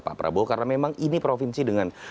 pak prabowo karena memang ini provinsi dengan